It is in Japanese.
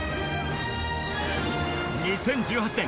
２０１８年